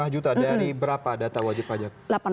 lima juta dari berapa data wajib pajak